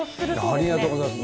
ありがとうございます。